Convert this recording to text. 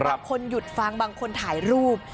บางคนหยุดฟังบางคนถ่ายรูป